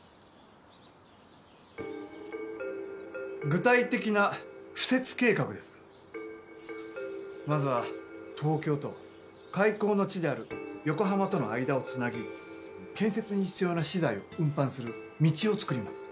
具体的な敷設計画ですがまずは東京と開港の地である横浜との間をつなぎ建設に必要な資材を運搬する道を造ります。